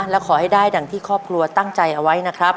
และขอให้ได้ดังที่ครอบครัวตั้งใจเอาไว้นะครับ